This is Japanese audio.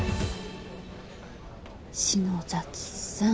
篠崎さん。